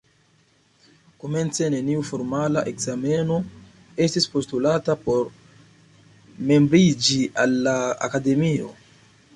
Komence neniu formala ekzameno estis postulata por membriĝi al la Akademio.